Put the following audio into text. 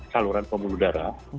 saluran pembuluh darah